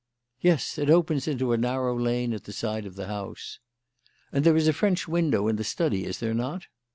"Yes. It opens into a narrow lane at the side of the house." "And there is a French window in the study, is there not?"